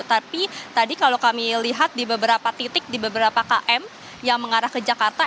tapi tadi kalau kami lihat di beberapa titik di beberapa km yang mengarah ke jakarta